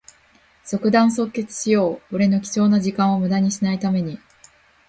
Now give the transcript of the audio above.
即断即決しよう。俺の貴重な時間をむだにしない為に。